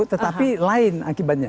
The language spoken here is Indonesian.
tetapi lain akibatnya